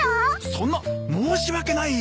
そんな申し訳ないよ。